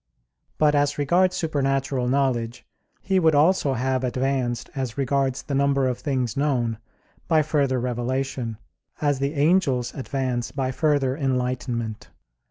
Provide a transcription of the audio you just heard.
But as regards supernatural knowledge, he would also have advanced as regards the number of things known, by further revelation; as the angels advance by further enlightenment.